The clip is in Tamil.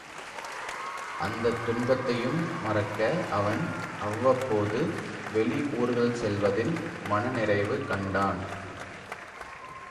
அந்தத் துன்பத்தையும் மறக்க அவன் அவ்வப்போது வெளி ஊர்கள் செல்வதில் மனநிறைவு கண்டான்.